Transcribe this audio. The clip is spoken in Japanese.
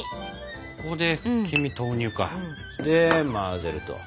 ここで黄身投入か。で混ぜると。